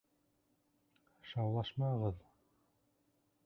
Шаулашмағыҙ!